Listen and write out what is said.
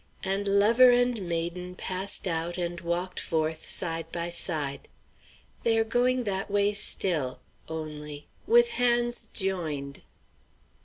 and lover and maiden passed out and walked forth side by side. They are going that way still, only with hands joined.